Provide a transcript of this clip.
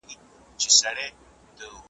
د خوبونو په لیدلو نه رسیږو ,